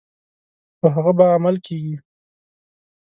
په هغه به عمل کیږي.